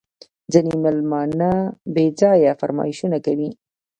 ځیني مېلمانه بېځایه فرمایشونه کوي